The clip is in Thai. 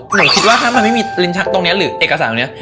หนูคิดว่าถ้ามันไม่มีลิ้นชักตรงนี้หรือเอกสารตรงนี้